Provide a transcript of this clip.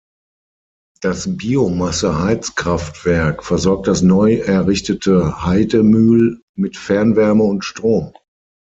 Das Biomasseheizkraftwerk versorgt das neu errichtete Haidemühl mit Fernwärme und Strom.